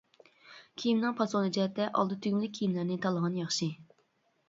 كىيىمنىڭ پاسونى جەھەتتە ئالدى تۈگمىلىك كىيىملەرنى تاللىغان ياخشى.